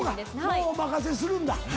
もうお任せするんだ。